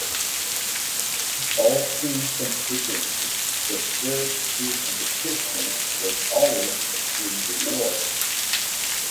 All teams competing in the first two competitions were allies during the war.